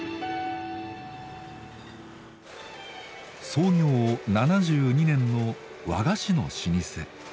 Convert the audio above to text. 創業７２年の和菓子の老舗。